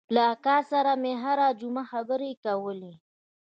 له اکا سره مې هره جمعه خبرې کولې.